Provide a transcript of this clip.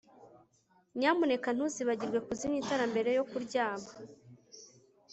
Nyamuneka ntuzibagirwe kuzimya itara mbere yo kuryama